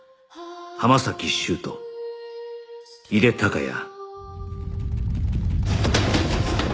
浜崎修斗井手孝也